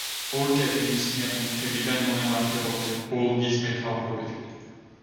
ორკები ნისლიანი მთებიდან მოემართებოდნენ, ბოლგის მეთაურობით.